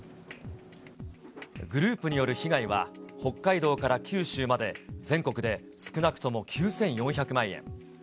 グループによる被害は、北海道から九州まで、全国で少なくとも９４００万円。